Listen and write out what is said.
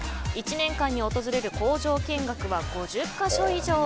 １年間に訪れる工場見学は５０か所以上。